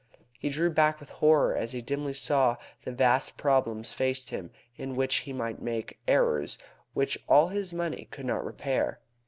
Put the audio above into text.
He drew back with horror as he dimly saw that vast problems faced him in which he might make errors which all his money could not repair.